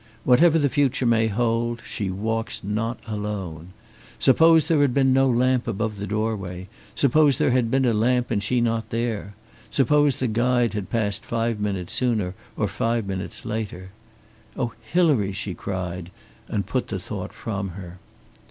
Whatever the future may hold she walks not alone. Suppose there had been no lamp above the doorway! Suppose there had been a lamp and she not there! Suppose the guide had passed five minutes sooner or five minutes later! "Oh, Hilary!" she cried, and put the thought from her.